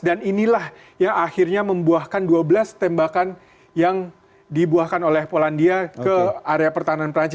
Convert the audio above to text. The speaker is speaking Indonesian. dan inilah yang akhirnya membuahkan dua belas tembakan yang dibuahkan